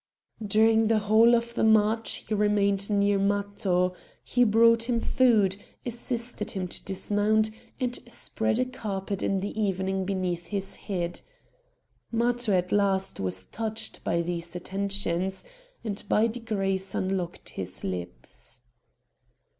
During the whole of the march he remained near Matho; he brought him food, assisted him to dismount, and spread a carpet in the evening beneath his head. Matho at last was touched by these attentions, and by degrees unlocked his lips.